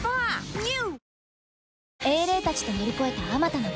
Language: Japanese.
ＮＥＷ！